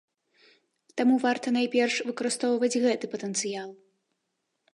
Таму варта найперш выкарыстоўваць гэты патэнцыял.